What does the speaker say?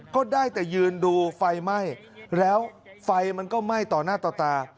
ก็ได้แต่ยืนดูไฟไหม้แล้วไฟมันก็ไหม้ต่อหน้าต่อตา